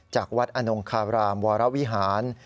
จากวัดอนงคารามวรวิหาร